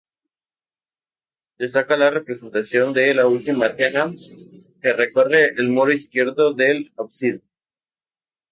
Destaca la representación de la Última Cena, que recorre el muro izquierdo del ábside.